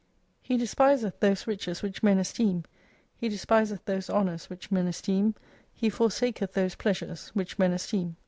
He despiseth those riches which men esteem, he despiseth those honours which men esteem, he forsaketh those pleasures which men esteem.